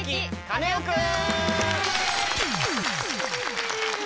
カネオくん」。